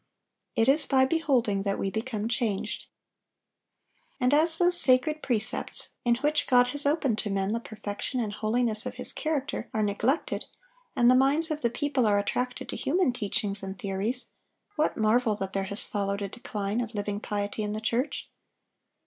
It is by beholding that we become changed. And as those sacred precepts in which God has opened to men the perfection and holiness of His character are neglected, and the minds of the people are attracted to human teachings and theories, what marvel that there has followed a decline of living piety in the church.